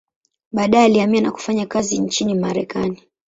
Baadaye alihamia na kufanya kazi nchini Marekani.